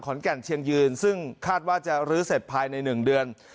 แก่นเชียงยืนซึ่งคาดว่าจะรื้อเสร็จภายใน๑เดือน